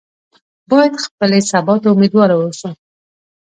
باید خپلې سبا ته امیدواره واوسو.